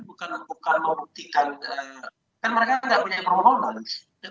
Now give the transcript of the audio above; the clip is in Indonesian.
bukan membuktikan kan mereka tidak punya permohonan